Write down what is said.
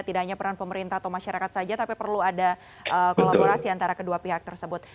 tidak hanya peran pemerintah atau masyarakat saja tapi perlu ada kolaborasi antara kedua pihak tersebut